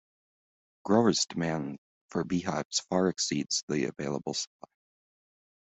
Growers' demand for beehives far exceeds the available supply.